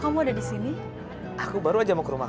kami adalah dosen melakukan versi tempat berkembang